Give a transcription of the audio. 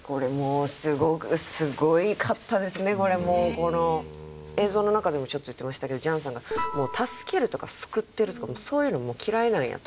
この映像の中でもちょっと言ってましたけどジャンさんが「もう助けるとか救ってるとかそういうのも嫌いなんや」と。